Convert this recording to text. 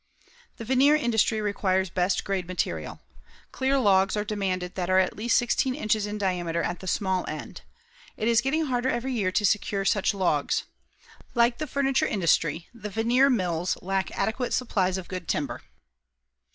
The veneer industry requires best grade material. Clear logs are demanded that are at least 16 inches in diameter at the small end. It is getting harder every year to secure such logs. Like the furniture industry, the veneer mills lack adequate supplies of good timber.